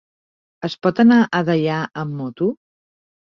Es pot anar a Deià amb moto?